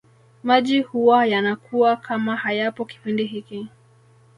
Maji huwa yanakuwa kama hayapo kipindi hiki